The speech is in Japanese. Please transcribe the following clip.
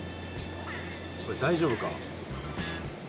これ大丈夫か？